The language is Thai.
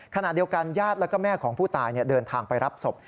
ขณะเดียวกันญาติและแม่ของผู้ตายเดินทางไปรับศพ